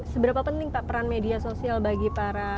seberapa penting pak peran media sosial bagi para